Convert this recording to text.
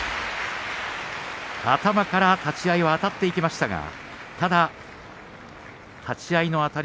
頭から立ち合いはあたっていきましたが、ただ立ち合いのあたり